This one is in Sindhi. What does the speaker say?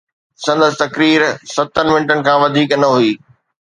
سندس تقرير ستن منٽن کان وڌيڪ نه هئي.